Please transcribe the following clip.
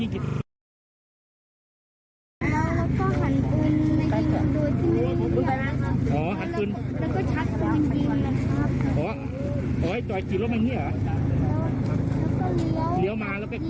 ไกลไหม